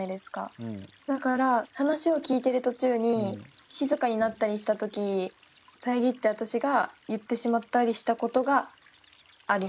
だから話を聞いてる途中に静かになったりしたときさえぎって私が言ってしまったりしたことがあります。